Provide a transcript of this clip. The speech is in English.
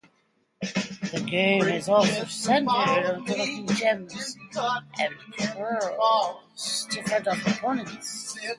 The game is also centered on collecting gems and pearls to fend off opponents.